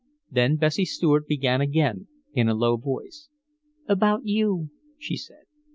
Then Bessie Stuart began again, in a low voice: "About you," she said.